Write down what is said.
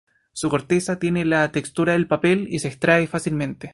Su corteza tiene la textura del papel y se extrae fácilmente.